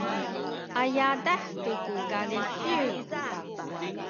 a yadah tu ku kalisiw